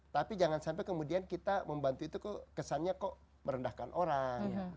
tapi jangan sampai kemudian kita membantu itu kok kesannya kok merendahkan orang